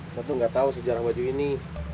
satu gak tau sejarah baju ini